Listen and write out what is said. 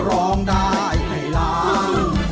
ร้องได้ให้ล้าน